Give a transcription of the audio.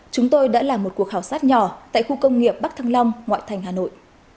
chúng tôi đã là một cuộc khảo sát nhỏ tại khu công nghiệp bắc thăng long ngoại thành hà nội